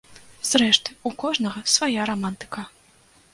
Зрэшты, у кожнага свая рамантыка.